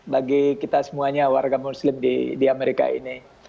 bagi kita semuanya warga muslim di amerika ini